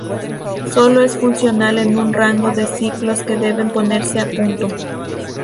Solo es funcional en un rango de ciclos que deben ponerse a punto.